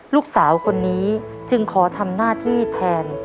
ลูกสาวคนนี้จึงขอทำหน้าที่แทน